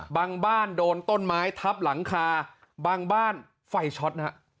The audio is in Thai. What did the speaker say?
บ้านโดนต้นไม้ทับหลังคาบางบ้านไฟช็อตนะฮะ